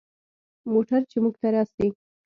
موټر چې موږ ته راسي.